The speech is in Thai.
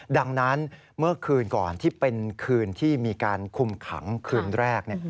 ดังนั้นเมื่อคืนก่อนที่เป็นคืนที่มีการคุมขังคืนแรก